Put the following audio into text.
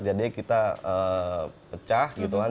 jadi kita pecah gitu kan